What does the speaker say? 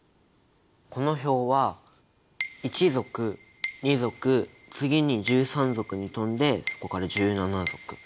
この表は１族２族次に１３族に飛んでそこから１７族。